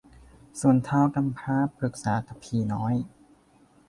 ส่วนท้าวกำพร้าปรึกษากับผีน้อย